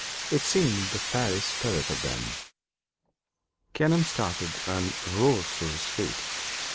It seemed the fairy spirit of them. Kenelm started and rose to his feet.